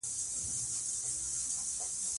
پکتیا د افغانستان په ستراتیژیک اهمیت کې رول لري.